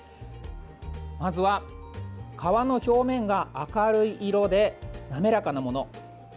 まずは皮の表面が明るい色で滑らかなもの。